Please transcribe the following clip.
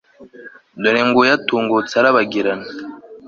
dore nguyu atungutse arabagirana